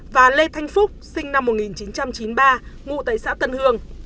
và lê thanh phúc sinh năm một nghìn chín trăm chín mươi ba ngụ tại xã tân hương